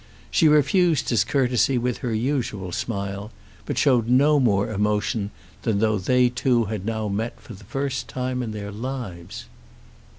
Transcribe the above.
She refused his courtesy with her usual smile, but showed no more emotion than though they two had now met for the first time in their lives.